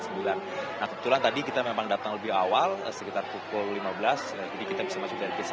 nah kebetulan tadi kita memang datang lebih awal sekitar pukul lima belas jadi kita bisa masuk dari ke satu